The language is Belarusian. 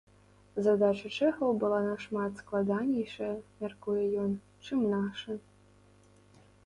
Задача чэхаў была нашмат складанейшая, мяркуе ён, чым наша.